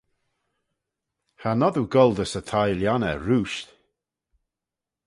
Cha nod oo goll dys y thie-lhionney rooisht.